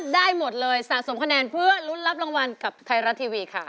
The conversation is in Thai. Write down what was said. ได้หมดเลยสะสมคะแนนเพื่อลุ้นรับรางวัลกับไทยรัฐทีวีค่ะ